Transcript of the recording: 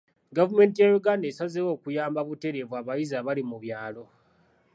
Gavumenti ya Uganda esazeewo okuyamba butereevu abayizi abali mu byalo.